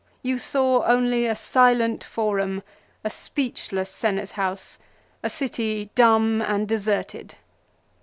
You saw only a silent forum, a speechless Senate house, a city dumb and deserted."